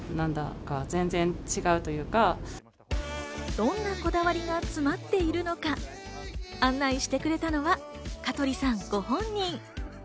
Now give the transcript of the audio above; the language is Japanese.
どんなこだわりが詰まっているのか、案内してくれたのは香取さん、ご本人。